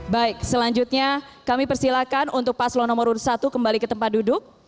baik selanjutnya kami persilakan untuk paslon nomor urut satu kembali ke tempat duduk